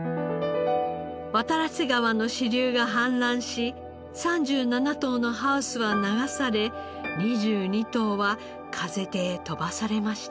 渡良瀬川の支流が氾濫し３７棟のハウスは流され２２棟は風で飛ばされました。